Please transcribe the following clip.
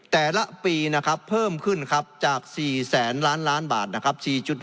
แต่ละปีนะครับเพิ่มขึ้นครับจาก๔แสนล้านล้านบาทนะครับ